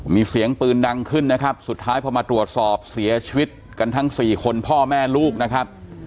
มีเสียงปืนดังขึ้นนะครับสุดท้ายพอมาตรวจสอบเสียชีวิตกันทั้งสี่คนพ่อแม่ลูกนะครับ